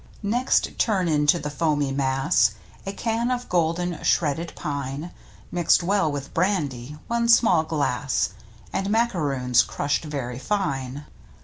Next turn into the foamy mass A can of golden, shredded pine, Mixed well with brandy (one small glass). And macaroons crushed very fine.